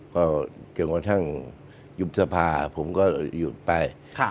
ก็จนกระทั่งยุบสภาผมก็หยุดไป